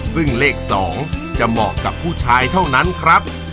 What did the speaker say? ซึ่งเลข๒จะเหมาะกับผู้ชายเท่านั้นครับ